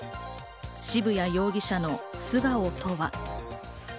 渋谷容疑者の素顔とは？